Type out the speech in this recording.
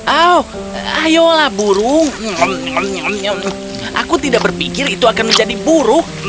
oh ayolah burung aku tidak berpikir itu akan menjadi buruk